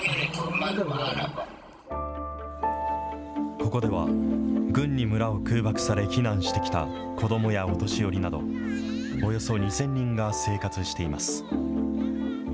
ここでは、軍に村を空爆され避難してきた子どもやお年寄りなど、およそ２０００人が生活しています。